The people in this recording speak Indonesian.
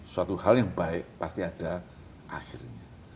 suatu hal yang baik pasti ada akhirnya